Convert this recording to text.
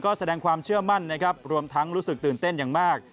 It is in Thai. ก็แสดงความเชื่อมั่นนะครับรวมทั้งรู้สึกตื่นเต้นอย่างมาก